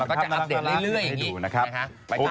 เราก็จะอัพเดทเรื่อยอย่างนี้